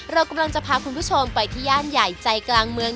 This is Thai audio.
เรากำลังจะพาคุณผู้ชมไปที่ย่านใหญ่ใจกลางเมือง